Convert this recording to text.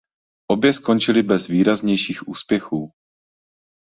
Obě skončily bez výraznějších úspěchů.